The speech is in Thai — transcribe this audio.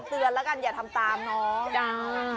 เตือนแล้วกันอย่าทำตามน้องด่า